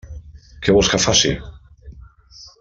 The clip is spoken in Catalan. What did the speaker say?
Què vols que faci?